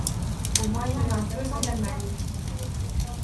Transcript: Au moyen d’un peson d’Allemagne.